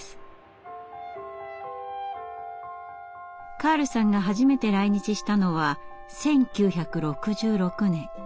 カールさんが初めて来日したのは１９６６年２４歳の時。